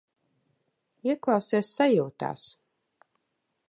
Ieklausies sajūtās.